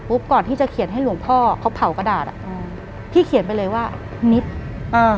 หลังจากนั้นเราไม่ได้คุยกันนะคะเดินเข้าบ้านอืม